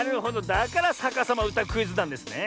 だから「さかさまうたクイズ」なんですね。